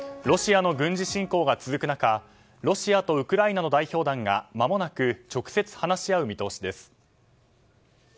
ロシアの軍事侵攻が続く中ロシアとウクライナの代表団がまもなく直接話し合う見通しです。